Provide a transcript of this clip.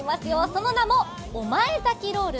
その名も御前崎ロール。